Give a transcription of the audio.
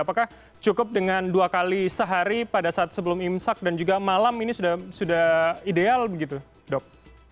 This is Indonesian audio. apakah cukup dengan dua kali sehari pada saat sebelum imsak dan juga malam ini sudah ideal begitu dok